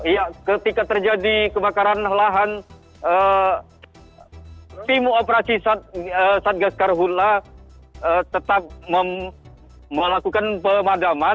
ya ketika terjadi kebakaran lahan tim operasi satgas karhutlah tetap melakukan pemadaman